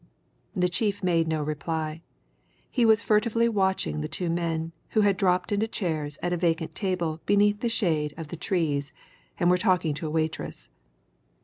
The chief made no reply. He was furtively watching the two men, who had dropped into chairs at a vacant table beneath the shade of the trees and were talking to a waitress.